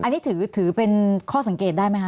อันนี้ถือเป็นข้อสังเกตได้ไหมคะ